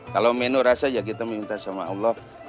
kalau menu rasa ya kita minta sama allah